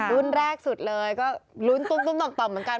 รุ่นแรกสุดเลยก็ลุ้นตุ้มต่อมเหมือนกัน